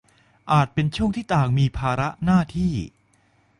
อาจเป็นช่วงที่ต่างฝ่ายต่างมีภาระหน้าที่